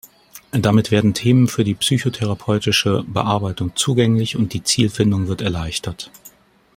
Damit werden Themen für die psychotherapeutische Bearbeitung zugänglich und die Zielfindung wird erleichtert.